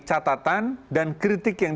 catatan dan kritik yang